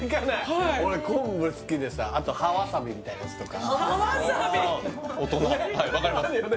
はい俺昆布好きでさあと葉わさびみたいなやつとか葉わさび